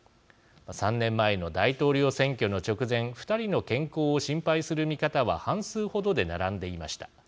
３年前の大統領選挙の直前２人の健康を心配する見方は半数ほどで並んでいました。